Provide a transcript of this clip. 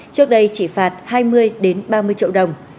trước đây chỉ phạt hai mươi ba mươi triệu đồng